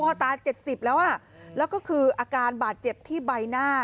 เพราะตาร์๗๐แล้วอ่ะและก็คืออาการบาดเจ็บที่ใบหน้า